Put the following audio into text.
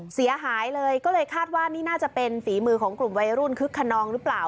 เสียหายเลยก็เลยคาดว่านี่น่าจะเป็นฝีมือของกลุ่มวัยรุ่นคึกขนองหรือเปล่า